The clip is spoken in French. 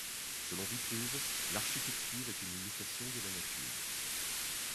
Selon Vitruve, l’architecture est une imitation de la nature.